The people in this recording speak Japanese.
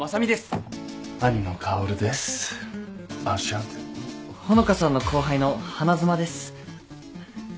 ほっ穂香さんの後輩の花妻です。